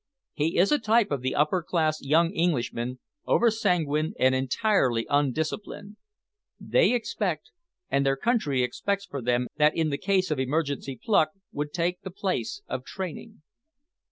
He is a type of the upper class young Englishman, over sanguine and entirely undisciplined. They expect, and their country expects for them that in the case of emergency pluck would take the place of training."